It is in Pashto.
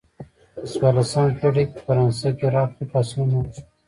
په څوارلسمه پیړۍ کې په فرانسه کې راکري پاڅونونه وشول.